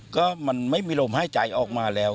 ก็มันไม่มีลมหายใจออกมาแล้ว